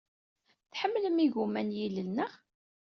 Tḥemmlem igumma n yilel, naɣ?